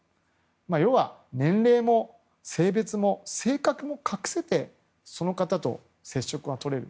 要は、年齢も性別も性格も隠せてその方と接触がとれる